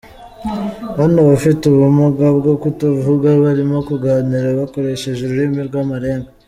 Hano abafite ubumuga bwo kutavuga barimo kuganira bakoresheje ururimi rw'amarenga.